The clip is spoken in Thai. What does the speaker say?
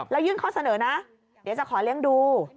แล้วยื่นข้อเสนอนะเดี๋ยวจะขอเลี้ยงดู